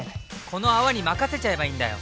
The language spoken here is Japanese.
この泡に任せちゃえばいいんだよ！